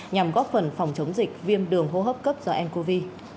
nhằm góp phần phòng chống dịch viêm đường hô hấp cấp do ncov